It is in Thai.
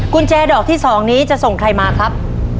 กุญแจดอกที่๒นี้จะส่งใครมาครับ